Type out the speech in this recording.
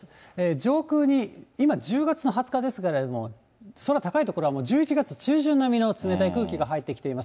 上空に今、１０月の２０日ですけれども、空高い所は１１月中旬並みの冷たい空気が入ってきています。